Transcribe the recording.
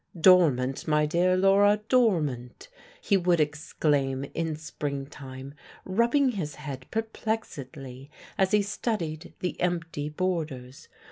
"Dormant, my dear Laura dormant!" he would exclaim in springtime, rubbing his head perplexedly as he studied the empty borders.